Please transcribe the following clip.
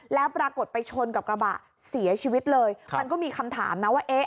แล้วปรากฏไปชนกับกระบะเสียชีวิตเลยมันก็มีคำถามนะว่าเอ๊ะ